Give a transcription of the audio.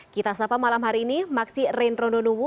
kita selapang malam hari ini maksi reyn rondonuwu